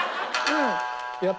うん。